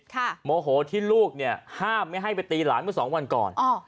โมโหที่ลูกเนี่ยห้ามไม่ให้ไปตีหลานเมื่อสองวันก่อน